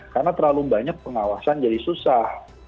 karena terlalu banyak pengawasan jadi susah